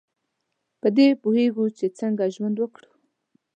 په دې پوهیږو چې څنګه ژوند وکړو.